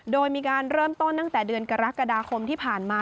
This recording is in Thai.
โดยมีการเริ่มต้นตั้งแต่เดือนกรกฎาคมที่ผ่านมา